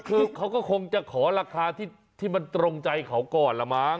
คือเขาก็คงจะขอราคาที่มันตรงใจเขาก่อนละมั้ง